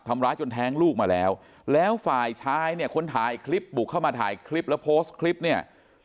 ทำร้ายจนแท้งลูกมาแล้วแล้วฝ่ายชายเนี่ยคนถ่ายคลิปบุกเข้ามาถ่ายคลิปแล้วโพสต์คลิปเนี่ย